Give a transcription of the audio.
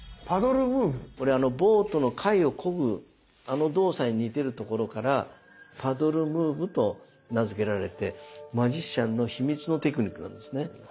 ボートのかいをこぐあの動作に似てるところからパドル・ムーブと名付けられてマジシャンの秘密のテクニックなんですね。